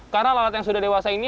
karena lalat yang sudah dewasa ini